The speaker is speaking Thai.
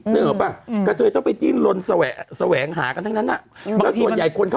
นึกออกป่ะกะเทยต้องไปจิ้นลนแสวงหากันทั้งนั้นน่ะ